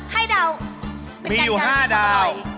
ให้ดาวมีอยู่๕ดาว